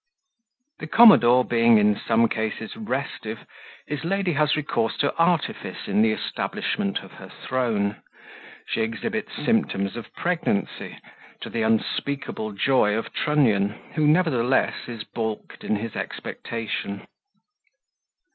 The Commodore being in some cases restive, his Lady has recourse to Artifice in the Establishment of her Throne She exhibits Symptoms of Pregnancy, to the unspeakable joy of Trunnion, who, nevertheless, is balked in his expectation.